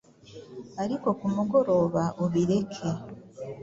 ariko ku mugoroba ubireke.